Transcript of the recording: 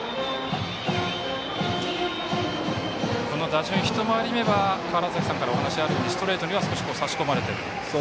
打順一回り目は川原崎さんからお話があったようにストレートには少し差し込まれている。